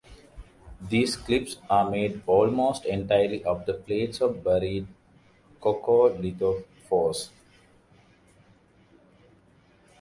These cliffs are made almost entirely of the plates of buried coccolithophores.